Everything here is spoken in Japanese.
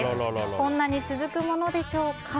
こんなに続くものでしょうか。